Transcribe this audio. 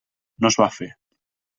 No es va fer.